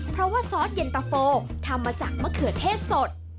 เพราะว่าซอสเย็นตะโฟทำมาจากมะเขือเทศสด